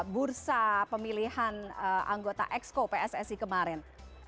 bursa pemilihan anggota exco pssi kemarin